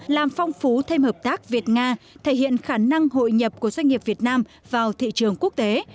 làm phong phú thêm hợp tác việt nga thể hiện khả năng hội nhập của doanh nghiệp việt nam vào thị trường quốc tế